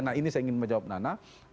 nah ini saya ingin menjawab nana